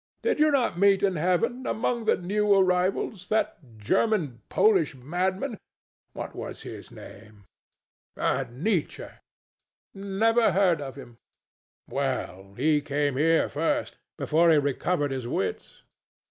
Did you not meet in Heaven, among the new arrivals, that German Polish madman what was his name? Nietzsche? THE STATUE. Never heard of him. THE DEVIL. Well, he came here first, before he recovered his wits.